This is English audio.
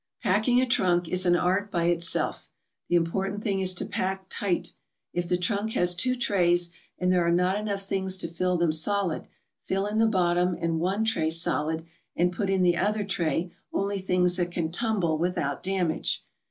Packing a trunk is an art by itself. The important thing is to pack tight. If the trunk has two trays and there are not enough things to fill them solid, fill in the bottom and one tray solid, and put in the other tray only things that can 'tumble without damage.